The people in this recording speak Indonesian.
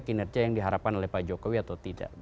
kinerja yang diharapkan oleh pak jokowi atau tidak